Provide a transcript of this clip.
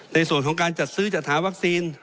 ในส่วนของการจัดซื้อจัดหาวัคซีน